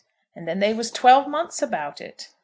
And then they was twelve months about it!